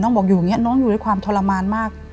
บอกอยู่อย่างนี้น้องอยู่ด้วยความทรมานมาก